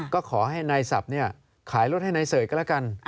ก็ขอให้นายศัพท์ขายรถให้นายเสิร์ชก็แล้วกัน